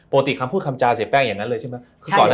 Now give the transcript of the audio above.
คำพูดคำจาเสียแป้งอย่างนั้นเลยใช่ไหม